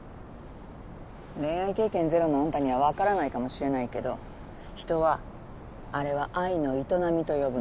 恋愛経験ゼロのあんたにはわからないかもしれないけど人はあれは愛の営みと呼ぶの。